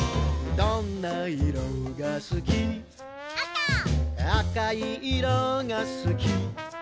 「どんな色がすき」「青い色がすき」